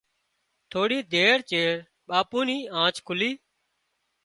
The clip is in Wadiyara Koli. ٿوڙي دير چيڙ ٻاپو ني آنڇ کُلي